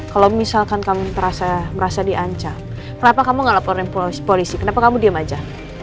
kalau misalkan kamu merasa diancam kenapa kamu nggak laporin polisi kenapa kamu diem aja